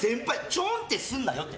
ちょんってすんなよって。